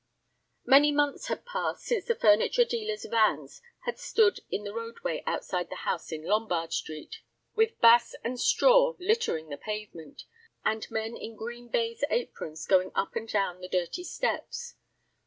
Many months had passed since the furniture dealers' vans had stood in the roadway outside the house in Lombard Street, with bass and straw littering the pavement, and men in green baize aprons going up and down the dirty steps.